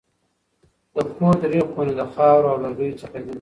د کور درې خونې د خاورو او لرګیو څخه دي.